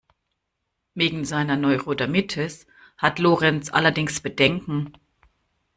Wegen seiner Neurodermitis hat Lorenz allerdings Bedenken.